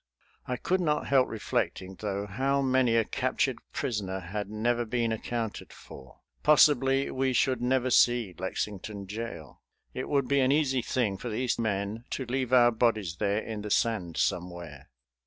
I could not help reflecting, though, how many a captured prisoner had never been accounted for. Possibly we should never see Lexington jail. It would be an easy thing for these men to leave our bodies there in the sand somewhere.